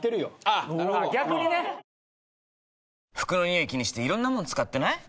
服のニオイ気にしていろんなもの使ってない？